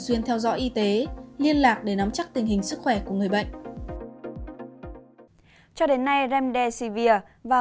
giao y tế liên lạc để nắm chắc tình hình sức khỏe của người bệnh cho đến nay remdesivir và